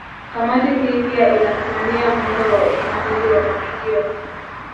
Kamati hii pia inasimamia muundo wa usimamizi wa matukio